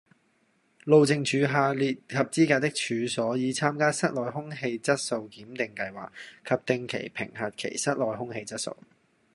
路政署下列合資格的處所已參加室內空氣質素檢定計劃及定期評核其室內空氣質素